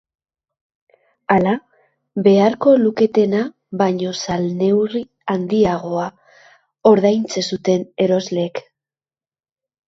Hala, beharko luketena baino salneurri handiagoa ordaintzen zuten erosleek.